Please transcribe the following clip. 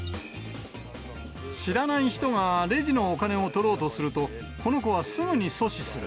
知らない人がレジのお金を取ろうとすると、この子はすぐに阻止する。